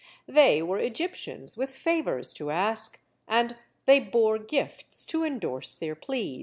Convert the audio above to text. They were Egyptians with favors to ask, and they bore gifts to indorse their pleas.